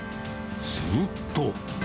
すると。